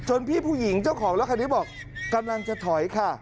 พี่ผู้หญิงเจ้าของรถคันนี้บอกกำลังจะถอยค่ะ